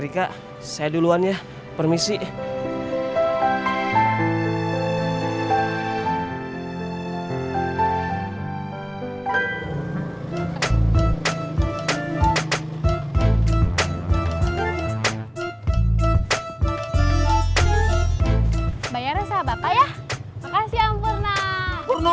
rika saya duluan ya permisi bayarnya sahabat payah makasih ampun ah